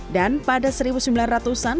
pada seribu sembilan ratus an